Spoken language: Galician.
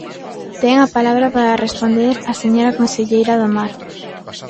Ten a palabra para responder a señora conselleira do Mar.